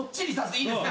いいですね。